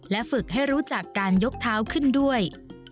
ฝึกให้รู้จักการยกเท้าขึ้นด้วย